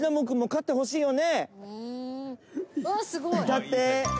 だって。